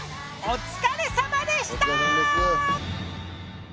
お疲れさまです。